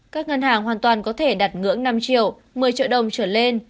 các ngân hàng hoàn toàn có thể đặt ngưỡng năm triệu một mươi triệu đồng trở lên